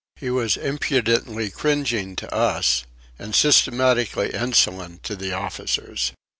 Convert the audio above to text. He was impudently cringing to us and systematically insolent to the officers.